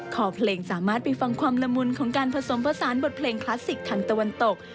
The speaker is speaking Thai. คอเพลงสามารถไปฟังความละมุนของการผสมผสานบทเพลงคลาสสิกทางตะวันตก